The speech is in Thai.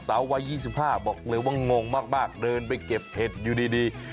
สาววัย๒๕บอกเลยว่างงมากเดินไปเก็บเห็ดอยู่ดี